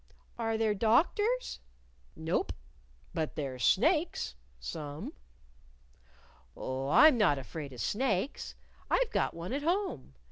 "Are there doctors?" "Nope. But there's snakes some." "Oh, I'm not afraid of snakes. I've got one at home.